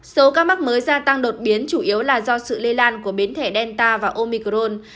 số ca mắc mới gia tăng đột biến chủ yếu là do sự lây lan của biến thể delta và omicron